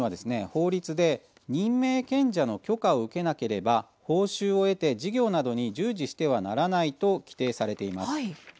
法律で、任命権者の許可を受けなければ、報酬を得て事業などに従事してはならないと規定されています。